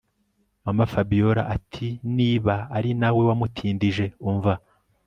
Mamafabiora atiniba ari nawe wamutindije umva